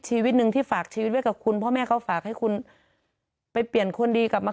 ชีวิตหนึ่งที่ฝากชีวิตไว้กับคุณพ่อแม่เขาฝากให้คุณไปเปลี่ยนคนดีกลับมา